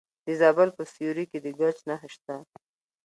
د زابل په سیوري کې د ګچ نښې شته.